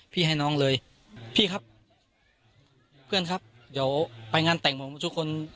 ให้น้องเลยพี่ครับเพื่อนครับเดี๋ยวไปงานแต่งผมทุกคน